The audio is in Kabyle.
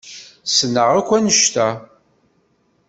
Ssneɣ akk anect-a.